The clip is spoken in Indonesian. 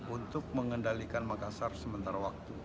untuk mengendalikan makassar sementara waktu